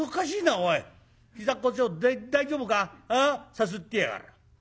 さすってやがら。